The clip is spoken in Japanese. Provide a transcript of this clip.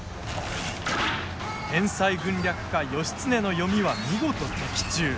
天才軍略家・義経の読みは見事、的中。